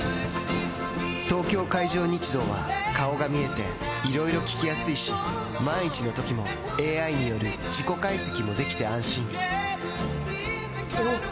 東京海上日動は顔が見えていろいろ聞きやすいし万一のときもＡＩによる事故解析もできて安心おぉ！